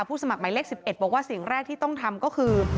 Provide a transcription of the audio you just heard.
สมัครหมายเลข๑๑บอกว่าสิ่งแรกที่ต้องทำก็คือ